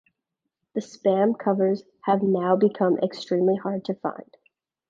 The Spam covers have now become extremely hard to find.